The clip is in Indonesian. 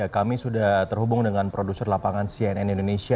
kami sudah terhubung dengan produser lapangan cnn indonesia